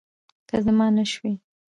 که زما نه شوی